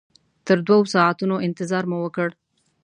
تر دوو ساعتونو انتظار مو وکړ.